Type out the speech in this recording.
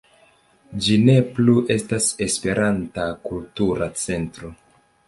Ĝi ne plu estas "Esperanta Kultura Centro".